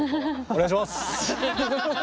お願いします！